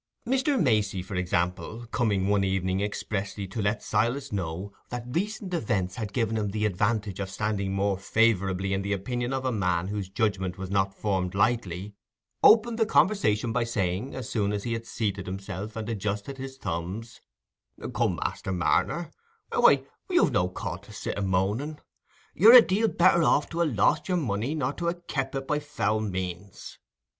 Mr. Macey, for example, coming one evening expressly to let Silas know that recent events had given him the advantage of standing more favourably in the opinion of a man whose judgment was not formed lightly, opened the conversation by saying, as soon as he had seated himself and adjusted his thumbs— "Come, Master Marner, why, you've no call to sit a moaning. You're a deal better off to ha' lost your money, nor to ha' kep it by foul means.